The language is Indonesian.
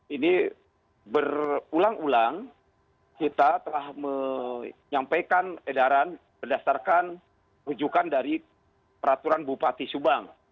ini berulang ulang kita telah menyampaikan edaran berdasarkan rujukan dari peraturan bupati subang